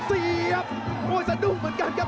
เสียบโอ้ยสะดุ้งเหมือนกันครับ